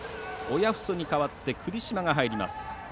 親富祖に代わって栗島が入ります。